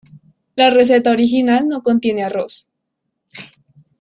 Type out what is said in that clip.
La receta original no contiene arroz.